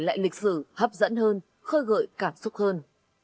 lại lịch sử hấp dẫn hơn khơi gợi cảm xúc hơn